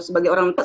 sebagai orang tua